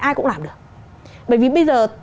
ai cũng làm được bởi vì bây giờ